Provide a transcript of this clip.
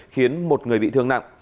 khiến một người bị thương nặng